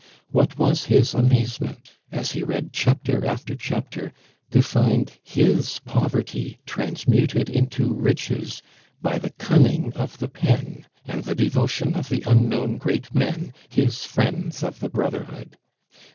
What was his amazement, as he read chapter after chapter, to find his poverty transmuted into riches by the cunning of the pen, and the devotion of the unknown great men, his friends of the brotherhood.